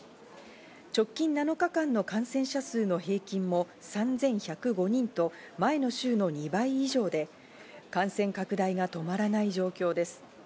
直近７日間の感染者数の平均も３１０５人と前の週の２倍以上で感染拡大が止まらない状況です。